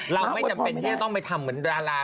เราไม่จำเป็นจะต้องไม่ต้องไปทำเหมือนดารา